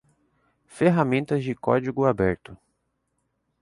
ferramentas de código aberto